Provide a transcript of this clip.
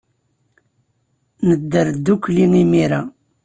Nedder ddukkli imir-a.